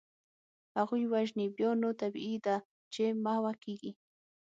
هغوی وژني، بیا نو طبیعي ده چي محوه کیږي.